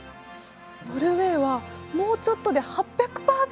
ノルウェーはもうちょっとで８００％！？